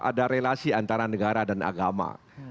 ada relasi antara negara dan agama